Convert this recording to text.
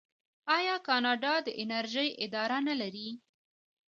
آیا کاناډا د انرژۍ اداره نلري؟